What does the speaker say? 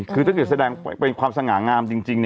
คือถ้าเกิดแสดงเป็นความสง่างามจริง